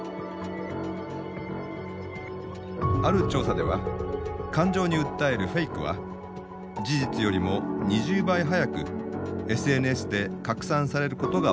ある調査では感情に訴えるフェイクは事実よりも２０倍速くＳＮＳで拡散されることが分かっています。